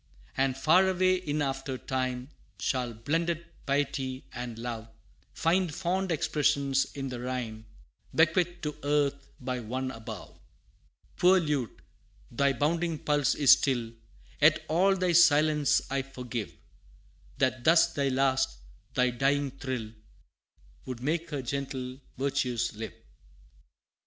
And far away in after time, Shall blended Piety and Love Find fond expression in the rhyme, Bequeathed to earth by One above. Poor lute! thy bounding pulse is still, Yet all thy silence I forgive, That thus thy last thy dying thrill, Would make Her gentle virtues live!